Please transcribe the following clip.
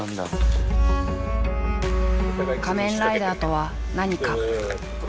「仮面ライダー」とは何か。